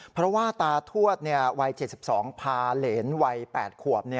เพราะว่าตาทวดวัย๗๒พาเหรนวัย๘ขวบ